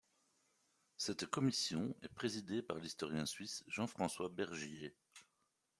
Cette commission est présidée par l'historien suisse Jean-François Bergier.